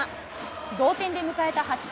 同点で迎えた８回。